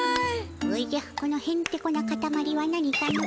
おじゃこのへんてこなかたまりは何かの？